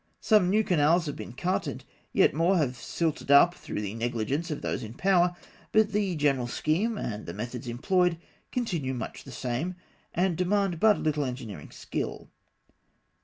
Some new canals have been cut, and yet more have been silted up through the negligence of those in power; but the general scheme, and the methods employed, continue much the same, and demand but little engineering skill.